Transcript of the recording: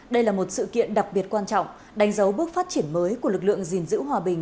đây là một sự kiện đặc biệt quan trọng đánh dấu bước phát triển mới của lực lượng gìn giữ hòa bình